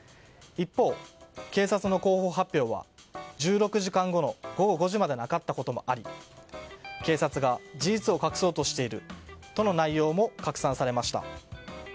一方、警察の広報発表は１６時間後の午後５時までなかったこともあり、警察が事実を隠そうとしているとの内容も拡散されました。